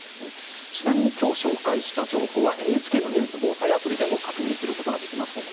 ちなみに、きょう紹介した情報はＮＨＫのニュース・防災アプリでも確認することができます。